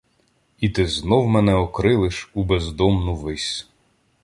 І ти знов мене окрилиш у бездомну вись.